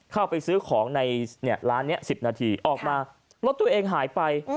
เข้าไปซื้อของในร้านนี้๑๐นาทีออกมารถตัวเองหายไป